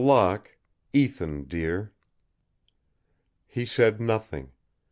Locke, Ethan dear." He said nothing.